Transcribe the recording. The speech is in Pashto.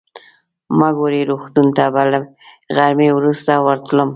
مګوري روغتون ته به له غرمې وروسته ورتلم.